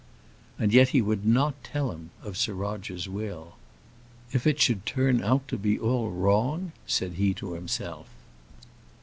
And yet he would not tell him of Sir Roger's will. "If it should turn out to be all wrong?" said he to himself.